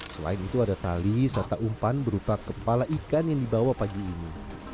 selain itu ada tali serta umpan berupa kepala ikan yang dibawa pagi ini